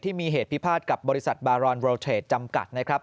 ที่มีเหตุพิพาทกับบริษัทบารอนเรลเทรดจำกัดนะครับ